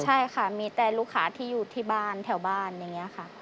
ใช่ค่ะมีแต่ลูกค้าที่อยู่ที่บ้านแถวบ้านอย่างนี้ค่ะ